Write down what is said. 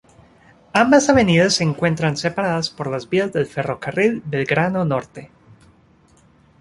Ambas avenidas se encuentran separadas por las vías del Ferrocarril Belgrano Norte.